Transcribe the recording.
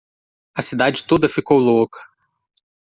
A cidade toda ficou louca.